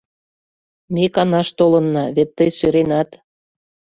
Ме канаш толынна, вет тый сӧренат...